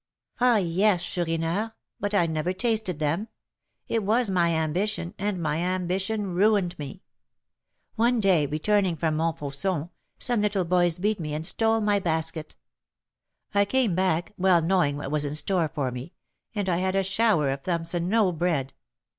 "Ah, yes, Chourineur; but I never tasted them. It was my ambition, and my ambition ruined me. One day, returning from Montfauçon, some little boys beat me and stole my basket. I came back, well knowing what was in store for me; and I had a shower of thumps and no bread.